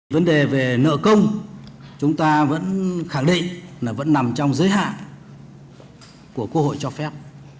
vấn đề về nợ công chúng ta vẫn khẳng định là vẫn nằm trong giới hạn của quốc hội cho phép